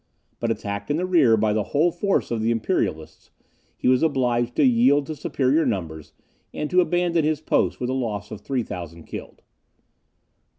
But attacked in the rear by the whole force of the Imperialists, he was obliged to yield to superior numbers, and to abandon his post with the loss of 3,000 killed.